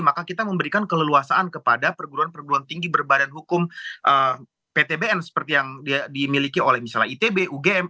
maka kita memberikan keleluasaan kepada perguruan perguruan tinggi berbadan hukum ptbn seperti yang dimiliki oleh misalnya itb ugm